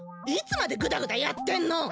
いつまでぐだぐだやってんの！